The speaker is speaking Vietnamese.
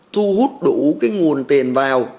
thu hút đủ cái nguồn tiền vào